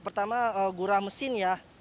pertama gurah mesin ya